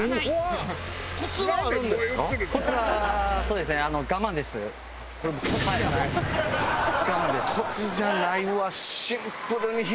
コツじゃない。